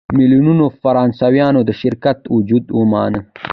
میلیونونو فرانسویانو د شرکت وجود ومانه.